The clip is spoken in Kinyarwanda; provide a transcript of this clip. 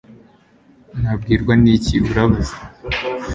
nabwirwa n'iki, urabaza